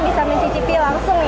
bisa mencicipi langsung ya